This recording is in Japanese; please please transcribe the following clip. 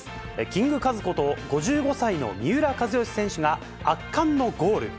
キングカズこと、５５歳の三浦知良選手が、圧巻のゴール。